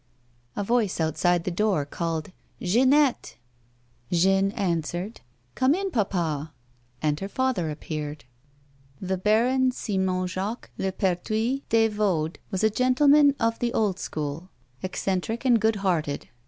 A voice outside the door called :" Jeannette !" Jeanne answered :" Come in, papa." And her father appeared. The Baron Simon Jacques Le Perthuis des Vauds was a gentleman of the old school, eccentric and good hearted.